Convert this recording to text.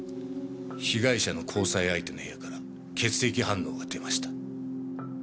被害者の交際相手の部屋から血液反応が出ました。